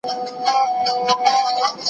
ليکنه وکړه،